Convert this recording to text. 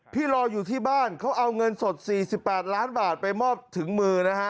รออยู่ที่บ้านเขาเอาเงินสด๔๘ล้านบาทไปมอบถึงมือนะฮะ